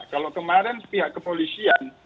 kalau kemarin pihak kepolisian